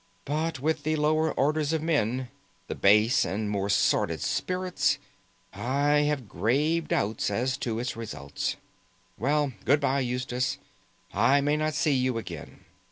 But with the lower orders of men, the base and more sordid spirits, I have grave doubts as to its results. Well, good by, Eustace, I may not see you again.